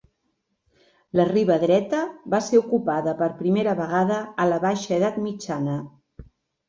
La Riba Dreta va ser ocupada per primera vegada a la baixa edat mitjana.